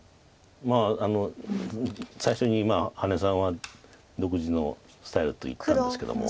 まあ最初に羽根さんは独自のスタイルと言ったんですけども。